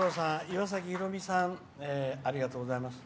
岩崎宏美さんありがとうございます。